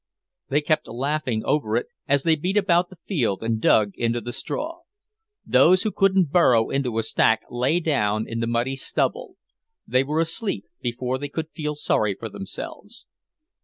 They kept laughing over it as they beat about the field and dug into the straw. Those who couldn't burrow into a stack lay down in the muddy stubble. They were asleep before they could feel sorry for themselves.